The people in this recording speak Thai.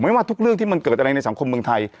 ว่าทุกเรื่องที่มันเกิดอะไรในสังคมเมืองไทย